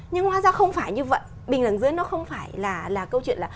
nhưng hóa ra không phải như vậy bình đẳng giới nó không phải là câu chuyện là